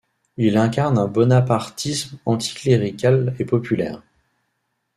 Il incarne un bonapartisme anticlérical et populaire.